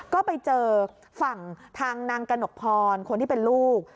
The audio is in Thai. ก็ไปเจอฝั่งทางนางกระหนกพรคนที่เป็นลูก